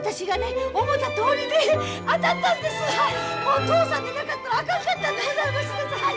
もう嬢さんやなかったらあかんかったんでございますですはい！